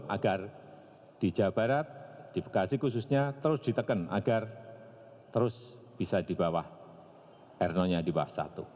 agar di jawa barat di bekasi khususnya terus ditekan agar terus bisa di bawah r nya di bawah satu